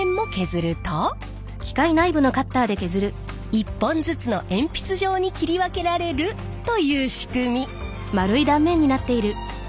１本ずつの鉛筆状に切り分けられるという仕組み！